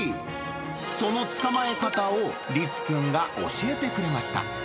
その捕まえ方を理津君が教えてくれました。